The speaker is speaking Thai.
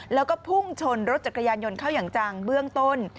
แล้วก็พุ่งชนรถจักรยานยนต์เข้าอย่างจังเบื้องต้น